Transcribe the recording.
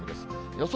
予想